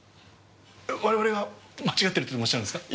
我々が間違ってるとでもおっしゃるんですか？